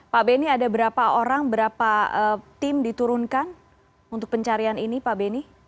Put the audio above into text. pak beni ada berapa orang berapa tim diturunkan untuk pencarian ini pak beni